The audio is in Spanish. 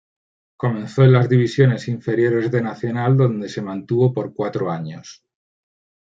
Comenzó en las divisiones inferiores de Nacional, donde se mantuvo por cuatro años.